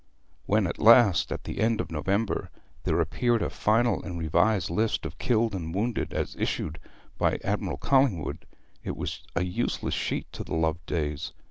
When at last, at the end of November, there appeared a final and revised list of killed and wounded as issued by Admiral Collingwood, it was a useless sheet to the Lovedays.